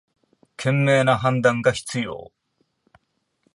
賢明な判断が必要